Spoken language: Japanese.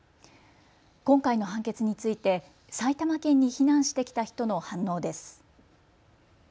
今回の判決について埼玉県に避難してきた人の反応です。